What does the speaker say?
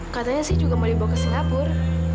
katanya sih juga mau dibawa ke singapura